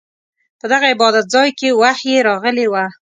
په دغه عبادت ځاې کې وحې راغلې وه.